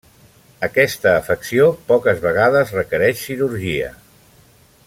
Aquesta afecció, poques vegades requereix cirurgia.